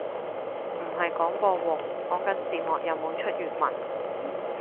唔係廣播喎，講緊字幕有冇出粵文